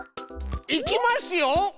いきますよ。